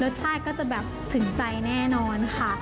รสชาติก็จะถึงใจแน่นอนค่ะ